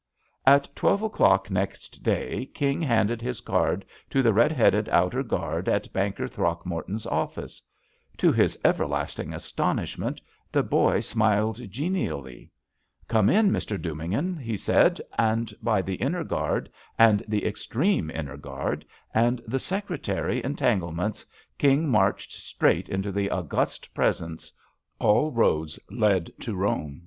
At twelve o'clock next day King handed his card to the red headed outer guard at Banker Throckmorton's office. To his everlasting astonishment, the boy smiled genially. JUST SWEETHEARTS ''Come in, Mr. Dubignon," he said. And by the inner guard and the extreme inner guard and the secretary entanglements, King marched straight into the august Presence. All roads led to Rome.